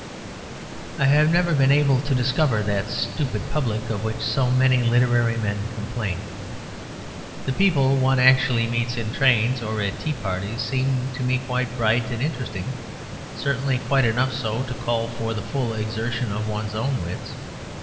I have never been able to discover that "stupid public" of which so many literary men complain. The people one actually meets in trains or at tea parties seem to me quite bright and interesting; certainly quite enough so to call for the full exertion of one's own wits.